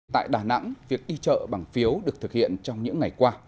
tại đà nẵng việc đi chợ bằng phiếu được thực hiện trong những ngày qua